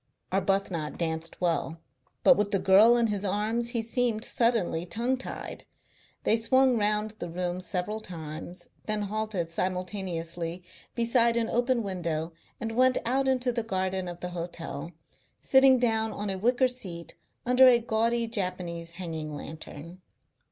Arbuthnot danced well, but with the girl in his arms he seemed suddenly tongue tied. They swung round the room several times, then halted simultaneously beside an open window and went out into the garden of the hotel, sitting down on a wicker seat under a gaudy Japanese hanging lantern.